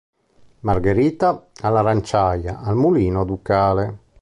Margherita, all'Aranciaia, al Mulino Ducale.